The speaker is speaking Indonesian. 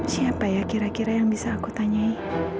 siapa ya kira kira yang bisa aku tanyai